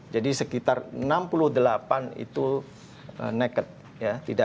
jadi sekitar enam puluh delapan itu naked